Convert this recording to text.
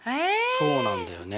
そうなんだよね。